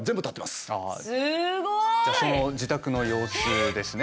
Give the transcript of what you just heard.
すごい！じゃあその自宅の様子ですね。